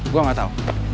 gue nggak tau